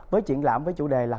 với triển lãm với chủ đề là